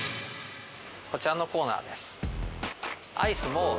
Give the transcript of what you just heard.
こちらのコーナーです。